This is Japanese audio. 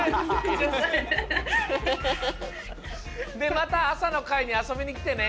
でまた朝の会にあそびにきてね。